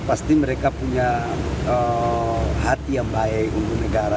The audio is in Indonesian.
pasti mereka punya hati yang baik untuk negara